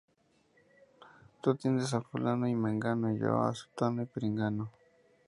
Tú atiendes a Fulano y Mengano, y yo a Zutano y Perengano